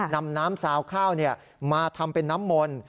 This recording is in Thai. นำน้ำซาวข้าวมาทำเป็นน้ำมนต์